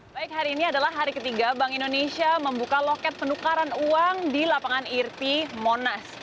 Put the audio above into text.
baik hari ini adalah hari ketiga bank indonesia membuka loket penukaran uang di lapangan irti monas